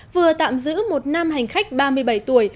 vừa tạm giữ một nam hành khách ba mươi bảy tuổi